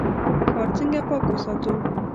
ښار څنګه پاک وساتو؟